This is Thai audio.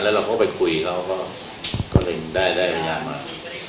เราก็ไปคุยเขาก็เลยได้พยานมา